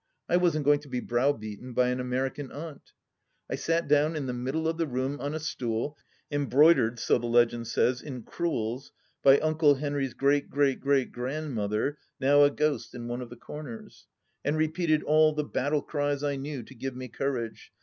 I wasn't going to be browbeaten by an American aimt. I sat down in the middle of the room on a stool, embroidered, so the legend says, in crewels, by Uncle Henry's great great great grand mother, now a ghost in one of the corners, and repeated all the battle cries I knew to give me courage.